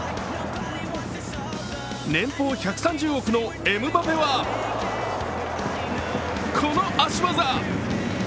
年俸１３０億のエムバペはこの足技。